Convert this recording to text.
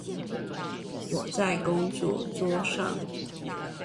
我在工作桌上